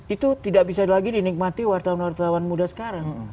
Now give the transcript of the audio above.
itu tidak bisa lagi dinikmati wartawan wartawan muda sekarang